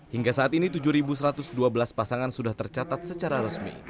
hingga saat ini tujuh satu ratus dua belas pasangan sudah tercatat secara resmi